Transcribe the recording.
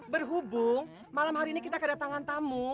berhubung malam hari ini kita kedatangan tamu